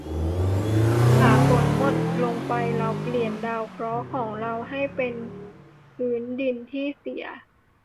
ป่าฝนหมดลงไป เราเปลี่ยนดาวเคราะห์ของเราให้เป็นพื้นดินที่เสีย